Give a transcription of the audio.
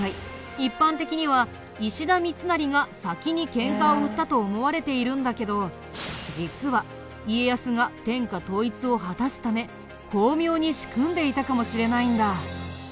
一般的には石田三成が先にケンカを売ったと思われているんだけど実は家康が天下統一を果たすため巧妙に仕組んでいたかもしれないんだ。